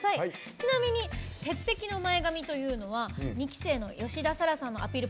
ちなみに、鉄壁の前髪というのは２期生の吉田彩良さんのアピール